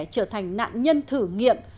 trở thành nạn nhân thử nghiệm